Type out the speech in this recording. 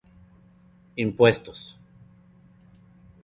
Impuestos